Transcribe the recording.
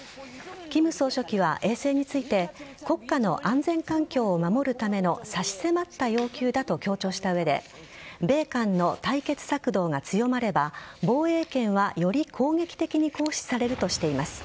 金総書記は衛星について国家の安全環境を守るための差し迫った要求だと強調した上で米韓の対決策動が強まれば防衛権はより攻撃的に行使されるとしています。